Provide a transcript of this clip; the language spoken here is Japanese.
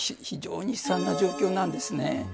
非常に悲惨な状況なんですね。